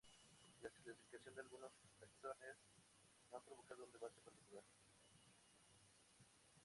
La clasificación de algunos taxones ha provocado un debate particular.